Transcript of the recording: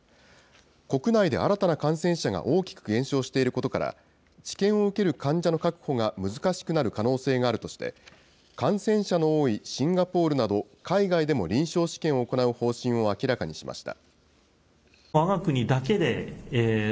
国内で新たな感染者が大きく減少していることから、治験を受ける患者の確保が難しくなる可能性があるとして、感染者の多いシンガポールなど、海外でも臨床試験を行う方針を明らかにしました。